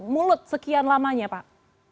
mulut sekian lamanya pak